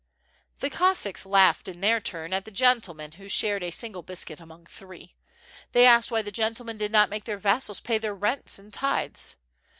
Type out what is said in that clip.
'' The Cossacks laughed in their turn at the gentleman who shared a single biscuit among three. They asked why the gentlemen did not make their vassals pay their rents and tithes.